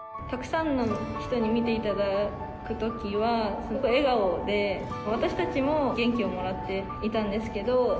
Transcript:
たくさんの人に見ていただくときは、すごい笑顔で、私たちも元気をもらっていたんですけど。